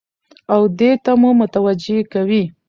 او دې ته مو متوجه کوي